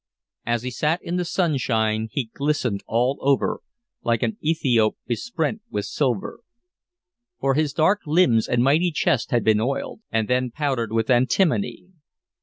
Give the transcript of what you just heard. As he sat in the sunshine he glistened all over, like an Ethiop besprent with silver; for his dark limbs and mighty chest had been oiled, and then powdered with antimony.